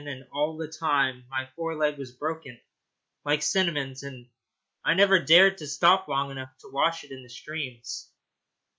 And all the time my fore leg was broken, like Cinnamon's, and I never dared to stop long enough to wash it in the streams.